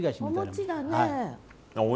お餅だね。